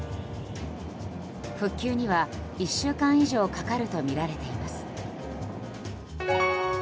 復旧には１週間以上かかるとみられています。